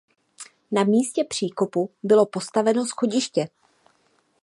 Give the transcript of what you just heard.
Na místě příkopu bylo postaveno schodiště.